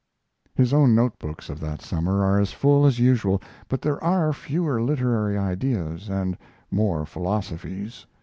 His own note books of that summer are as full as usual, but there are fewer literary ideas and more philosophies.